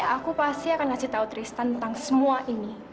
aku pasti akan kasih tau tristan tentang semua ini